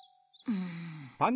うん。